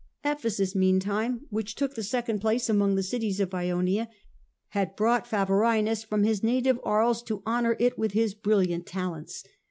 Ephesus, meantime, which took the second place among the cities of Ionia, had brought Favorinus from his native Arles to honour it with his brilliant ^• uj. talents.